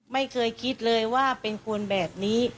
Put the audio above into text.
ไม่เคยคิดเลยว่าเป็นคนแบบนี้